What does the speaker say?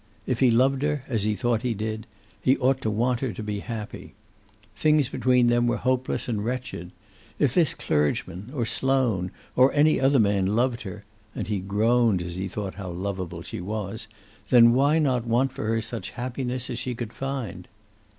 If he loved her as he thought he did, he ought to want her to be happy. Things between them were hopeless and wretched. If this clergyman, or Sloane, or any other man loved her, and he groaned as he thought how lovable she was, then why not want for her such happiness as she could find?